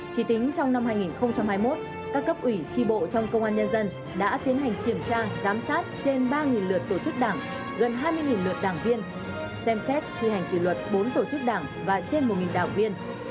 chỉ tính trong năm hai nghìn hai mươi một các cấp ủy tri bộ trong công an nhân dân đã tiến hành kiểm tra giám sát trên ba lượt tổ chức đảng gần hai mươi lượt đảng viên xem xét thi hành kỷ luật bốn tổ chức đảng và trên một đảng viên